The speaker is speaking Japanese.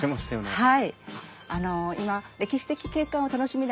はい。